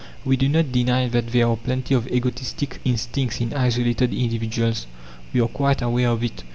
We do not deny that there are plenty of egotistic instincts in isolated individuals. We are quite aware of it.